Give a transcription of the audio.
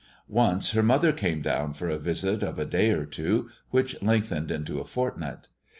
Once her mother came down for a visit of a day or two, which lengthened into a fortnight.